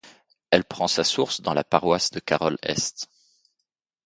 Elle prend sa source dans la paroisse de Carroll Est.